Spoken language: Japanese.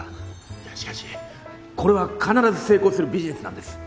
いやしかしこれは必ず成功するビジネスなんです。